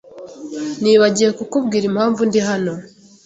Nibagiwe kukubwira impamvu ndi hano.